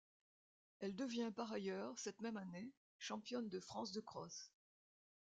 Elle devient par ailleurs cette même année championne de France de cross.